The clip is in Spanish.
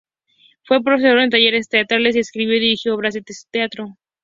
Fue profesor en talleres teatrales y escribió y dirigió obras de teatro.